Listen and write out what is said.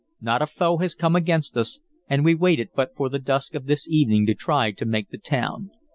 Not a foe has come against us, and we waited but for the dusk of this evening to try to make the town.